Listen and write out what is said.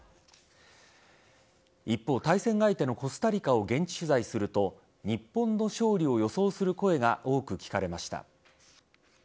一方、対戦相手のコスタリカを現地取材すると日本の勝利を予想する声が多く聞かれました。